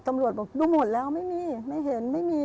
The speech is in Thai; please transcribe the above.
ตำรวจบอกดูหมดแล้วไม่มีไม่เห็นไม่มี